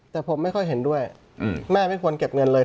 แต่ผมไม่ค่อยเห็นด้วยแม่ไม่ควรเก็บเงินเลย